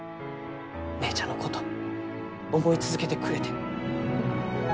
姉ちゃんのこと思い続けてくれて。